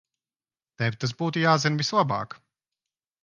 Tev tas būtu jāzina vislabāk.